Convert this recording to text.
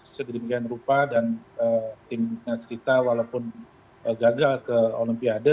segede gedean rupa dan tim nas kita walaupun gagal ke olimpiade